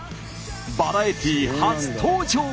バラエティー初登場！